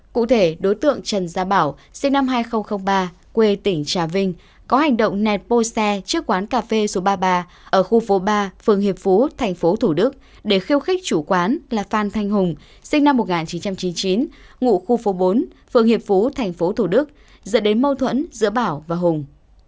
cụ thể đối tượng trần gia bảo sinh năm hai nghìn ba quê tỉnh trà vinh có hành động nẹt bô xe trước quán cà phê số ba mươi ba ở khu phố ba phường hiệp phú tp thủ đức để khiêu khích chủ quán là phan thanh hùng sinh năm một nghìn chín trăm chín mươi chín ngụ khu phố bốn phường hiệp phú tp thủ đức dẫn đến mâu thuẫn giữa bảo và hùng